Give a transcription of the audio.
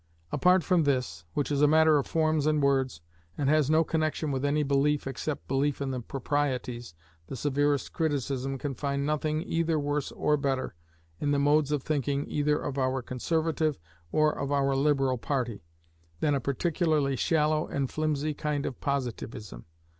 Apart from this, which is a matter of forms and words, and has no connexion with any belief except belief in the proprieties, the severest criticism can find nothing either worse or better, in the modes of thinking either of our conservative or of our liberal party, than a particularly shallow and flimsy kind of positivism.